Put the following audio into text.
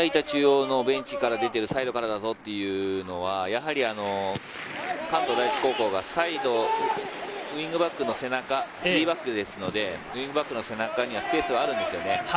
中央のベンチから出てる、サイドからたぞっていうのは、やはり関東第一高校がウイングバックの背中、３バックですのでウイングバックの背中にスペースがあるんですよね。